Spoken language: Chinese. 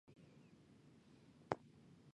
后邀请罽宾三藏弗若多罗至长安传授戒律。